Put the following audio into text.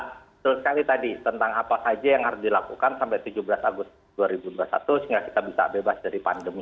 betul sekali tadi tentang apa saja yang harus dilakukan sampai tujuh belas agustus dua ribu dua puluh satu sehingga kita bisa bebas dari pandemi